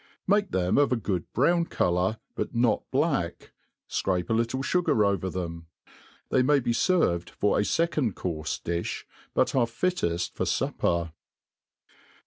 Make them of a good brown colour^ but not blacky fcrape a little fugar over them. They may bq ferved for a fccond Courfe diih,^ but are fitteft for fupper.